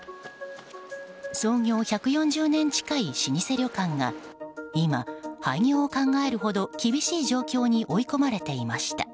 創業１４０年近い老舗旅館が今、廃業を考えるほど厳しい状況に追い込まれていました。